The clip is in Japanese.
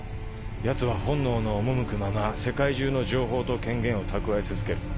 奴は本能の赴くまま世界中の情報と権限を蓄え続ける。